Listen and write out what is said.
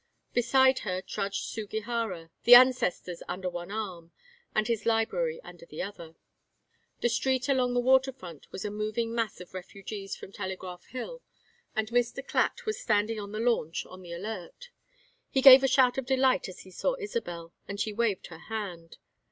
Beside her trudged Sugihara, the ancestors under one arm, and his library under the other. The street along the water front was a moving mass of refugees from Telegraph Hill, and Mr. Clatt was standing in the launch, on the alert. He gave a shout of delight as he saw Isabel, and she waved her hand.